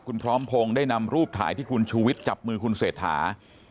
คุณพร้อมพงศ์ได้นำรูปถ่ายที่คุณชูวิทย์จับมือคุณเศรษฐา